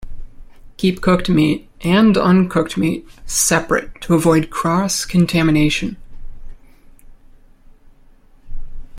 Keep cooked meat and uncooked meat separate to avoid cross-contamination.